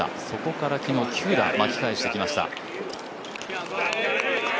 そこから昨日９打、巻き返してきました。